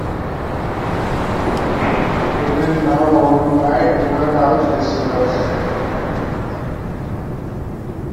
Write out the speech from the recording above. It is now owned by Inver House Distillers.